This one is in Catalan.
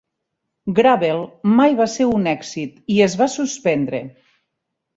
"Gravel" mai va ser un èxit i es va suspendre.